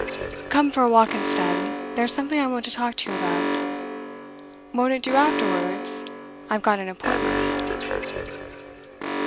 'Come for a walk instead. There's something I want to talk to you about.' 'Won't it do afterwards? I've got an appointment.